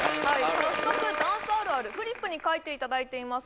早速ダンスあるあるフリップに書いていただいています